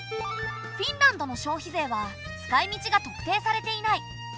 フィンランドの消費税は使いみちが特定されていない。